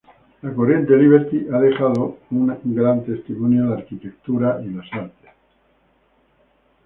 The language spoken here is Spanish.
La corriente liberty ha dejado un gran testimonio en la arquitectura y las artes.